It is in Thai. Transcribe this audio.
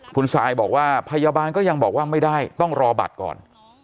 คุณซายบอกว่าพยาบาลก็ยังบอกว่าไม่ได้ต้องรอบัตรก่อน